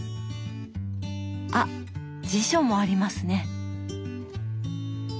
あっ辞書もありますね。